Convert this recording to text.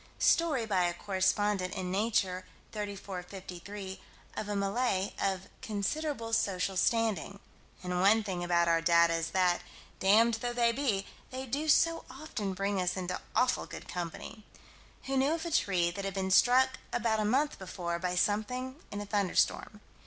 Story, by a correspondent, in Nature, 34 53, of a Malay, of "considerable social standing" and one thing about our data is that, damned though they be, they do so often bring us into awful good company who knew of a tree that had been struck, about a month before, by something in a thunderstorm.